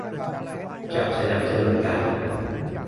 จะสนับสนุนกัน